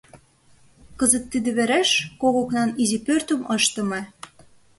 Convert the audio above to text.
Кызыт тиде вереш кок окнан изи пӧртым ыштыме.